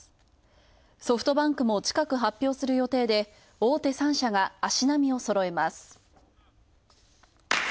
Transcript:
ソフトバンクも近く発表する予定で大手３社が足並みをそろえます。